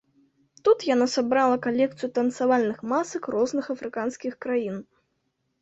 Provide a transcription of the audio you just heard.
Тут яна сабрала калекцыю танцавальных масак розных афрыканскіх краін.